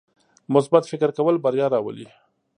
مثبت فکر کول بریا راولي.